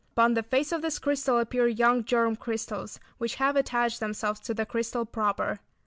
Upon the face of this crystal appear young germ crystals which have attached themselves to the crystal proper.